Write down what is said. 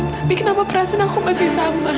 tapi kenapa perasaan aku masih sama